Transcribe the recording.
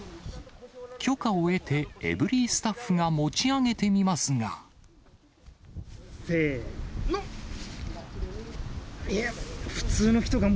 許可を得て、エブリィスタッフが持ち上げてみますが。